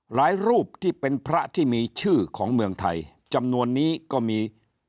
รูปที่เป็นพระที่มีชื่อของเมืองไทยจำนวนนี้ก็มี